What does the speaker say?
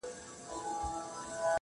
ټکي لوېږي د ورورۍ پر کړۍ ورو ورو!.